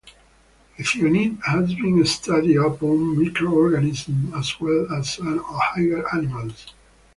Ethionine has been studied upon micro-organisms as well as on higher animals.